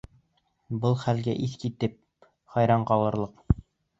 Был хәлгә иҫ китеп, хайран ҡалырлыҡ.